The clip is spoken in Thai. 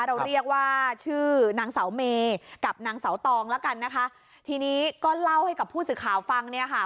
เราเรียกว่าชื่อนางเสาเมกับนางเสาตองแล้วกันนะคะทีนี้ก็เล่าให้กับผู้สื่อข่าวฟังเนี่ยค่ะ